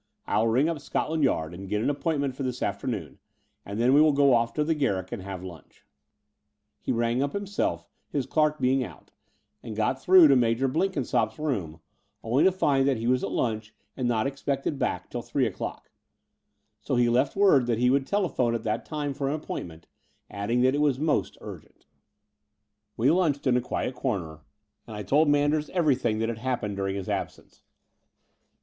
I'll ring up Scotland Yard and get an appointment for this afternoon; and then we will go off to the Garrick and have lunch." He rang up himself, his clerk being out, and got through to Major Blenkinsopp's room, only to find i84 The Door of the Unreal that he was at Itinch and not expected back till three o'clock: so he left word that he would tele phone at that time for an appointment, adding that it was most urgent. We lunched in a quiet comer; and I told Man ders everything that had happened during his absence.